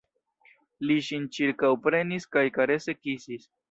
Li ŝin ĉirkaŭprenis kaj karese kisis.